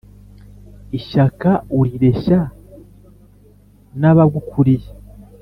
Ishyaka urireshya n'abagukuriye.